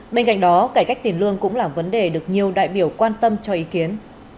bên cạnh đó cải cách tiền lương cũng là vấn đề được nhiều đại biểu quan tâm cho ý kiến